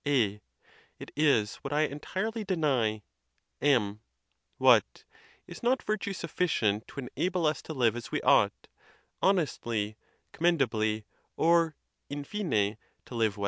A. It is what I entirely deny. M. What! is not virtue sufficient to enable us to live as we ought, honestly, commendably, or, in fine, to live well?